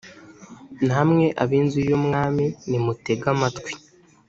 namwe ab’inzu y’umwami, nimutege amatwi